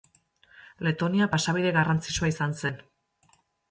Letonia pasabide garrantzitsua izan zen.